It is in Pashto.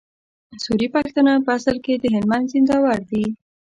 سوري پښتانه په اصل کي د هلمند د زينداور دي